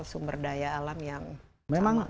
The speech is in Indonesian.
sumber daya alam yang memang